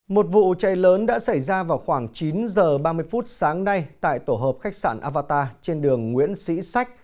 một vụ cháy lớn đã xảy ra vào khoảng chín h ba mươi phút sáng nay tại tổ hợp khách sạn avatar trên đường nguyễn sĩ sách